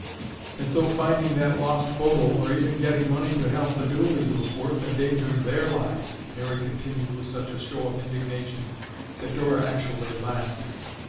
"As though finding that lost Bodil, or even getting money to help the Dooleys, was worth endangering their lives," Mary continued with such a show of indignation that Dora actually laughed.